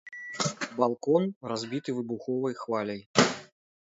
Балкон, разбіты выбуховай хваляй.